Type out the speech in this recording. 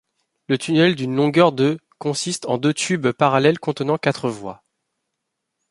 Le tunnel d'une longueur de consiste en deux tubes parallèles contenant quatre voies.